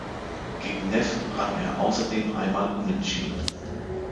Gegen Neff rang er außerdem einmal unentschieden.